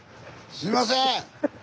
すいません！